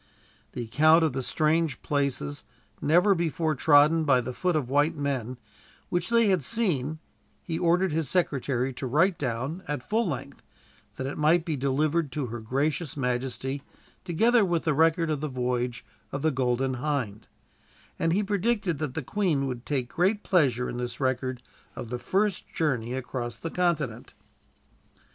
The account of the strange places, never before trodden by the foot of white men, which they had seen, he ordered his secretary to write down, at full length, that it might be delivered to her gracious majesty, together with the record of the voyage of the Golden Hind; and he predicted that the Queen would take great pleasure in this record of the first journey across the continent.